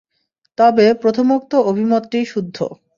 তবে প্রথমোক্ত অভিমতটিই শুদ্ধ।